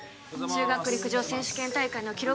中学陸上選手権大会の記録